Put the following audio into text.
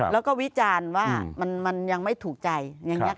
แล้วก็วิจารณ์ว่ามันยังไม่ถูกใจอย่างนี้